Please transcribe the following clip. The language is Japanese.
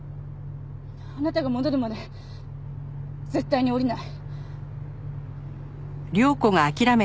あなたが戻るまで絶対に降りない。